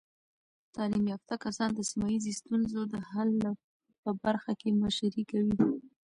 تعلیم یافته کسان د سیمه ایزې ستونزو د حل په برخه کې مشري کوي.